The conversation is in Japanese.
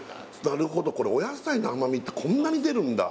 なるほどこれお野菜の甘みってこんなに出るんだ